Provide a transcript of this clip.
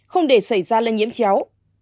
không để xảy ra lây nhiễm chéo